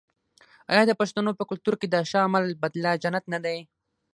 آیا د پښتنو په کلتور کې د ښه عمل بدله جنت نه دی؟